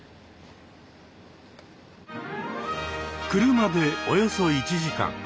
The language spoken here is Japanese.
車でおよそ１時間